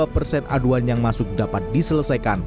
lima puluh dua persen aduan yang masuk dapat diselesaikan